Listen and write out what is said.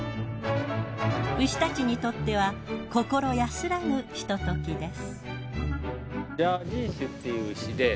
牛たちにとっては心安らぐひとときです。